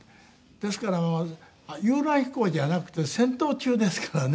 ですから遊覧飛行じゃなくて戦闘中ですからね。